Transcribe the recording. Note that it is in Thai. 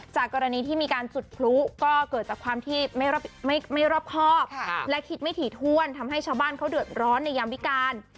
กรณีที่มีการจุดพลุก็เกิดจากความที่ไม่รอบครอบและคิดไม่ถี่ถ้วนทำให้ชาวบ้านเขาเดือดร้อนในยามวิการ